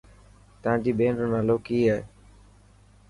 تانجي ٻين رو نالو ڪي هي.